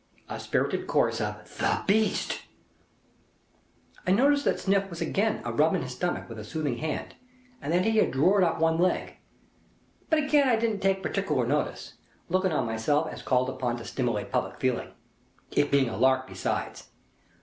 A spirited chorus of "The Beast!" I noticed that Sniff was agin a rubbing his stomach with a soothing hand, and that he had drored up one leg. But agin I didn't take particular notice, looking on myself as called upon to stimilate public feeling. It being a lark besides.